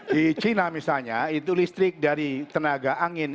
di china misalnya itu listrik dari tenaga angin